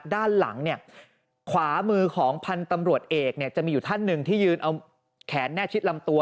ด้านหลังเนี่ยขวามือของพันธุ์ตำรวจเอกเนี่ยจะมีอยู่ท่านหนึ่งที่ยืนเอาแขนแน่ชิดลำตัว